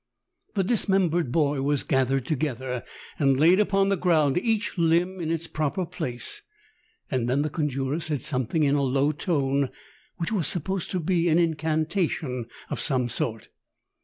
The dismembered boy was gathered to gether and laid upon the ground, each limb in its proper place, and then the conjurer said something in a low tone I which was supposed to be an incanta tion of some sort.